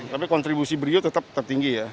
tapi kontribusi beliau tetap tertinggi ya